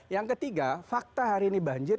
yang ketiga fakta hari ini banjir